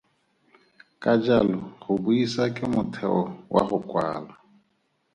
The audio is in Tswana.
Ka jalo go buisa ke motheo wa go kwala.